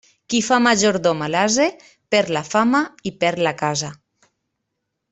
Qui fa majordom a l'ase, perd la fama i perd la casa.